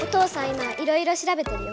今いろいろしらべてるよ。